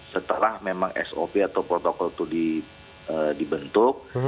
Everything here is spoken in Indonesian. setelah memang sop atau protokol itu dibentuk